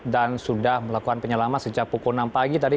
dan sudah melakukan penyelamat sejak pukul enam pagi tadi